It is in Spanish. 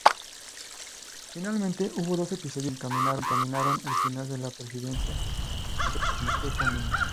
Finalmente hubo dos episodios que encaminaron el final de la presidencia de Kekkonen.